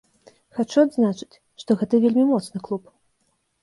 Хачу адзначыць, што гэта вельмі моцны клуб.